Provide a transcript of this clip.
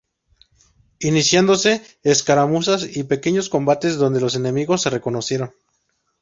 Iniciándose escaramuzas y pequeños combates donde los enemigos se reconocieron.